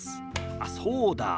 あっそうだ。